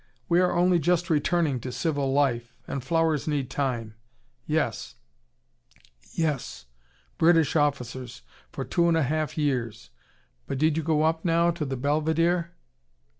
We are only just returning to civil life. And flowers need time. Yes yes British officers for two and a half years. But did you go up, now, to the belvedere?"